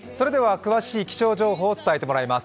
詳しい気象情報を伝えてもらいます。